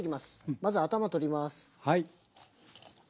まず頭取ります。